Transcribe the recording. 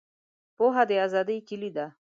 پوهه د آزادۍ کیلي ده.